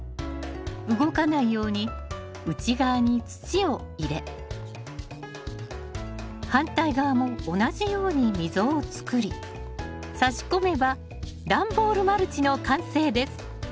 動かないように内側に土を入れ反対側も同じように溝を作り差し込めば段ボールマルチの完成です。